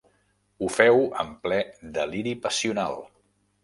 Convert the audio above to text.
Ho feu en ple deliri passional.